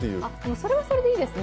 それはそれでいいですね。